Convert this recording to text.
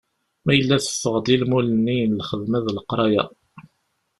Ma yella teffeɣ-d i lmul-nni n lxedma d leqraya.